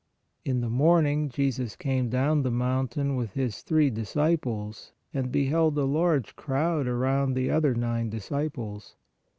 In the morning Jesus came down the mountain with His three disciples, and beheld a large crowd around the other nine disci ples.